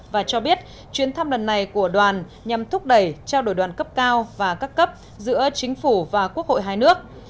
và cho biết chuyến thăm lần này của đoàn nhằm thúc đẩy trao đổi đoàn cấp cao và cấp cấp giữa chính phủ và quốc hội hai nước